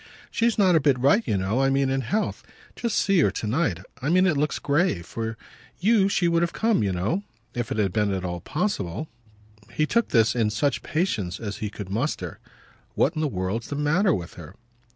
"She's not a bit right, you know. I mean in health. Just see her to night. I mean it looks grave. For you she would have come, you know, if it had been at all possible." He took this in such patience as he could muster. "What in the world's the matter with her?"